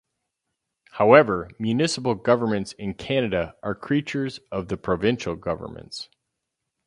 However, municipal governments in Canada are creatures of the provincial governments.